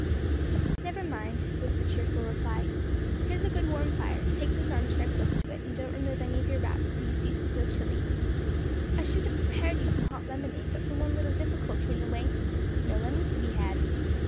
"Never mind," was the cheerful reply. "Here's a good warm fire; take this arm chair close to it, and don't remove any of your wraps till you cease to feel chilly. I should have prepared you some hot lemonade but for one little difficulty in the way; no lemons to be had.